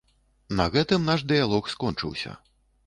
На гэтым наш дыялог скончыўся.